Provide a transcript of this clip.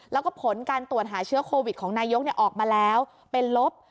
แล้วก็ผลการตรวจหาเชื้อโควิดของนายกออกมาแล้วเป็นลบ